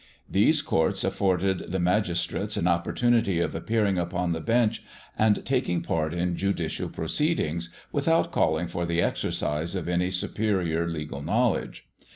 These courts afforded the magistrates an opportunity of appearing upon the bench and taking part in judicial proceedings, without calling for the exercise of any superior legal knowledge.